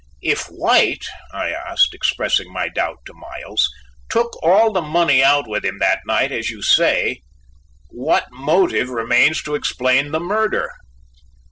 "If White," I asked, expressing my doubts to Miles, "took all the money out with him that night, as you say, what motive remains to explain the murder?"